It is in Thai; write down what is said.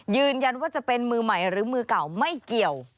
ยืนยันว่าจะเป็นมือใหม่หรือมือเก่าไม่เกี่ยว